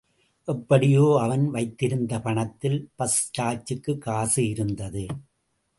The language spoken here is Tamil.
எப்படியோ, அவன் வைத்திருந்த பணத்தில் பஸ் சார்ஜுக்கு காசு இருந்தது.